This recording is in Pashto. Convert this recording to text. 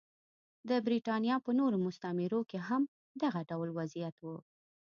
د برېټانیا په نورو مستعمرو کې هم دغه ډول وضعیت و.